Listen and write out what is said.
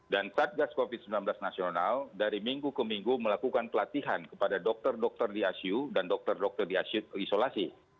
dan satgas covid sembilan belas nasional dari minggu ke minggu melakukan pelatihan kepada dokter dokter di asiu dan dokter dokter di asiu isolasi